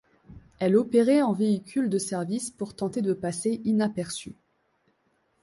Elle opérait en véhicule de service pour tenter de passer inaperçue.